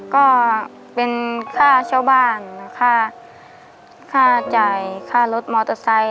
ก็เป็นค่าเช่าบ้านค่าจ่ายค่ารถมอเตอร์ไซค